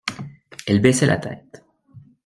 Elle baissait la tête.